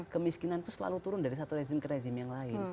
kemiskinan itu selalu turun dari satu rezim ke rezim yang lain